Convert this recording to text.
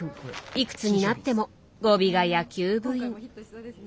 いくつになっても語尾が野球部員。